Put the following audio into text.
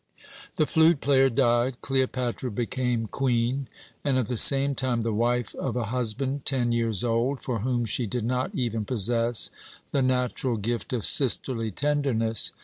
"The flute player died. Cleopatra became Queen, and at the same time the wife of a husband ten years old, for whom she did not even possess the natural gift of sisterly tenderness.